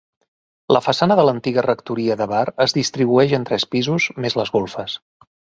La façana de l'antiga rectoria de Bar es distribueix en tres pisos, més les golfes.